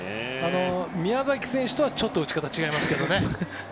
宮崎選手とはちょっと打ち方が違いますけどね。